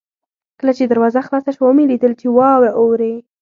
کله چې دروازه خلاصه شوه ومې لیدل چې واوره اورې.